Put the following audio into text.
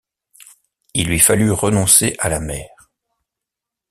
Il lui fallut renoncer à la mer.